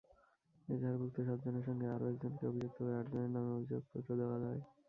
এজাহারভুক্ত সাতজনের সঙ্গে আরও একজনকে অভিযুক্ত করে আটজনের নামে অভিযোগপত্র দেওয়া হয়।